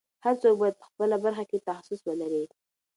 هر څوک باید په خپله برخه کې تخصص ولري.